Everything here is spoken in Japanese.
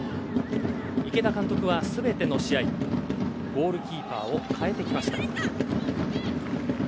池田監督は全ての試合ゴールキーパーを変えてきました。